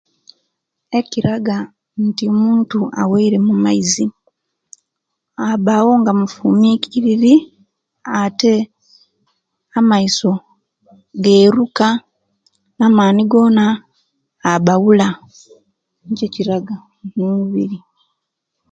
Ekiraga nti omuntu aweremu amaizi abawo nga mufumukiriri ate amaiso geruka namani gona aba abula niyo ekiraga omubiri